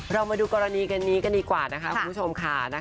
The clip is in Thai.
เรามาดูกรณีกันนี้กันดีกว่านะคะคุณผู้ชมค่ะ